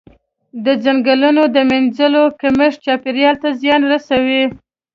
د ځنګلونو د مینځلو کمښت چاپیریال ته زیان رسوي.